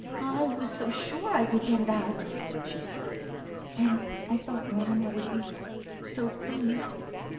"I was so sure I could get it out," she said, "and I thought Mamma would be so pleased!